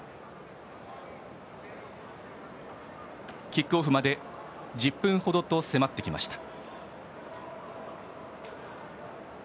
キックオフまで１０分ほどと迫ってきました。